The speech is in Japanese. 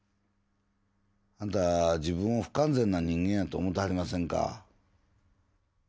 アンタ自分を不完全な人間やと思うてはりませんか？